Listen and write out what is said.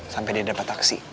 sampe dia dapet taksi